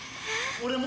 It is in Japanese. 俺も。